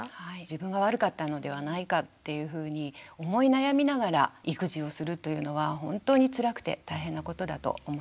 自分が悪かったのではないかっていうふうに思い悩みながら育児をするというのは本当につらくて大変なことだと思います。